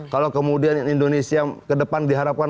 kalau kemudian indonesia ke depan diharapkan